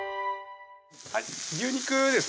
はい牛肉ですね